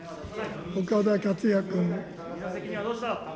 岡田克也君。